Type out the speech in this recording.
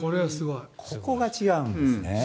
ここが違うんですね。